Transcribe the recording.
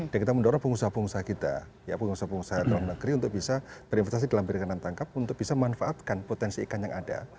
dan kita mendorong pengusaha pengusaha kita pengusaha pengusaha dalam negeri untuk bisa berinvestasi dalam perikanan tangkap untuk bisa memanfaatkan potensi ikan yang ada